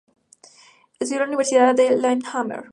Estudió en la Universidad de Lillehammer.